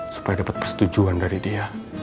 supaya dapat persetujuan dari dia